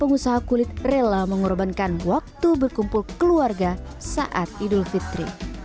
pengusaha kulit rela mengorbankan waktu berkumpul keluarga saat idul fitri